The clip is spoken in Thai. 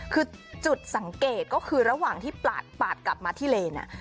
คือจุดสังเกตก็คือระหว่างที่ปาดกลับมาที่เลน